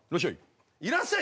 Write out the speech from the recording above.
いらっしゃい。